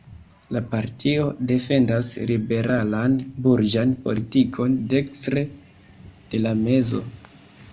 La partio defendas liberalan burĝan politikon dekstre de la mezo.